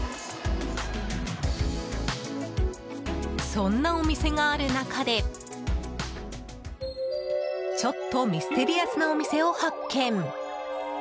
そんなお店がある中でちょっとミステリアスなお店を発見。